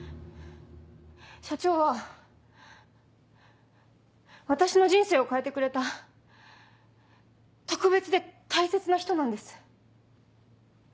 社長は私の人生を変えてくれた特別で大切な人なんです。